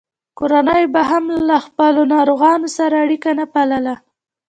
کورنیو به هم له خپلو ناروغانو سره اړیکه نه پاللـه.